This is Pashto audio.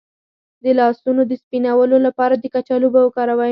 د لاسونو د سپینولو لپاره د کچالو اوبه وکاروئ